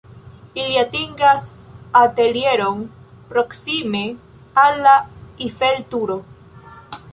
Ili atingas atelieron proksime al la Eiffel-Turo.